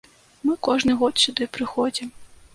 Мы кожны год сюды прыходзім.